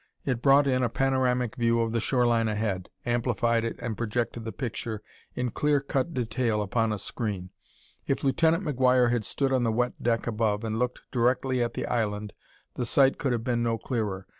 It brought in a panoramic view of the shoreline ahead, amplified it and projected the picture in clear cut detail upon a screen. If Lieutenant McGuire had stood on the wet deck above and looked directly at the island the sight could have been no clearer.